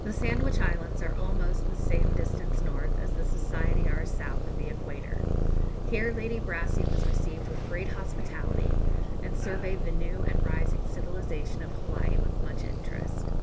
The Sandwich Islands are almost the same distance north as the Society are south of the Equator. Here Lady Brassey was received with great hospitality, and surveyed the new and rising civilization of Hawaii with much interest.